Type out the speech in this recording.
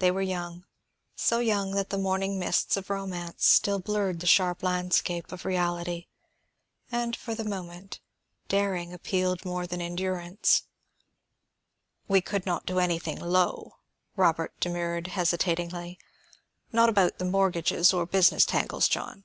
They were young; so young that the morning mists of romance still blurred the sharp landscape of reality, and for the moment, daring appealed more than endurance. "We could not do anything low," Robert demurred hesitatingly. "Not about the mortgages or business tangles, John."